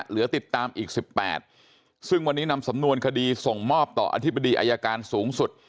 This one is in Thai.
เหลือติดตามอีก๑๘ซึ่งวันนี้นำสำนวนคดีส่งมอบต่ออธิบดีอายการสูงสุด